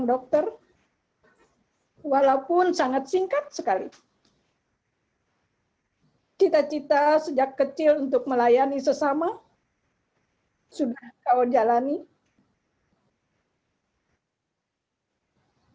dan ini kita kejadian ini pendukung di hubsar mehr